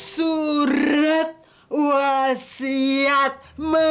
surat wasiat mama